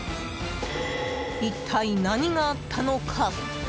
一体、何があったのか？